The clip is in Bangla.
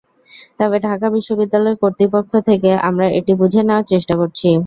তবে ঢাকা বিশ্ববিদ্যালয় কর্তৃপক্ষ থেকে আমরা এটি বুঝে নেওয়ার চেষ্টা করছি।